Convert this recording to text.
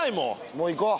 もういこう。